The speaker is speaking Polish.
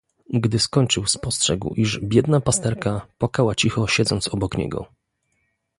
"Gdy skończył spostrzegł, iż biedna pasterka płakała cicho siedząc obok niego."